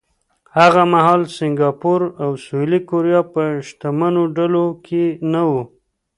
هغه مهال سینګاپور او سویلي کوریا په شتمنو ډله کې نه وو.